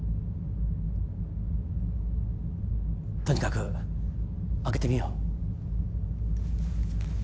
とにかく開けてみよう